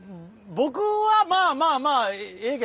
僕はまあまあまあええ